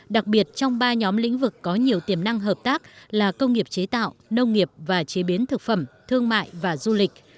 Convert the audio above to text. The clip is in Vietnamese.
đặc biệt trong ba nhóm lĩnh vực có nhiều tiềm năng hợp tác là công nghiệp chế tạo nông nghiệp và chế biến thực phẩm thương mại và du lịch